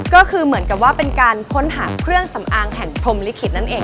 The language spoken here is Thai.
ก็คือเหมือนกับว่าเป็นการค้นหาเครื่องสำอางแห่งพรมลิขิตนั่นเอง